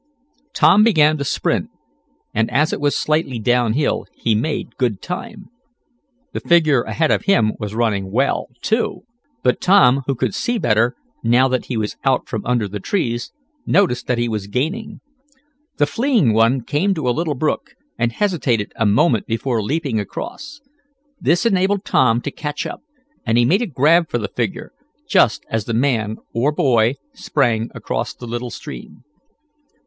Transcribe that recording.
Tom began to sprint, and as it was slightly down hill, he made good time. The figure ahead of him was running well, too, but Tom who could see better, now that he was out from under the trees, noticed that he was gaining. The fleeing one came to a little brook, and hesitated a moment before leaping across. This enabled Tom to catch up, and he made a grab for the figure, just as the man or boy sprang across the little stream.